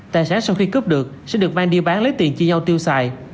tài sản sau khi cướp được sẽ được mang đi bán lấy tiền chia nhau tiêu xài